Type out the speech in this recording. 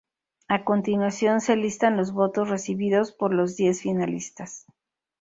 A continuación se listan los votos recibidos por los diez finalistas.